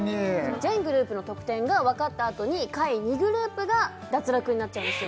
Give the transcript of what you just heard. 全グループの得点が分かったあとに下位２グループが脱落になっちゃうんですよ